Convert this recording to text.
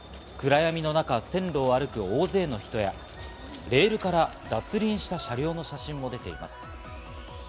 暗闇の中、線路を歩く大勢の人や、レールから脱輪した車両の写真も出ています。